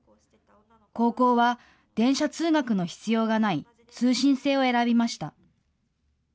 高校は電車通学の必要がない通信制を選びました。